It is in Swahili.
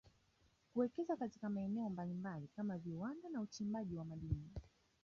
kuwekeza katika maeneo mbalimbali kama viwanda na uchimbaji wa madini